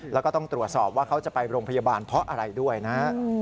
แล้วก็ต้องตรวจสอบว่าเขาจะไปโรงพยาบาลเพราะอะไรด้วยนะฮะ